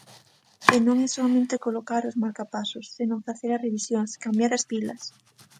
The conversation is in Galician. E non é soamente colocar os marcapasos, senón facer as revisións, cambiar as pilas.